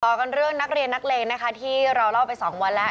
กันเรื่องนักเรียนนักเลงนะคะที่เราเล่าไปสองวันแล้ว